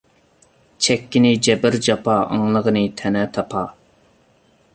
چەككىنى جەبىر-جاپا، ئاڭلىغىنى تەنە-تاپا.